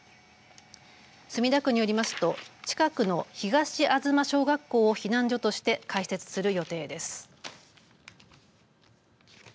墨田区によりますと近くの東吾嬬小学校を避難所として開設する予定です。